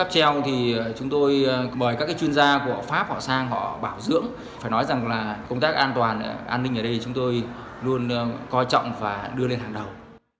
phải nói rằng là công tác an toàn an ninh ở đây chúng tôi luôn coi trọng và đưa lên hàng đầu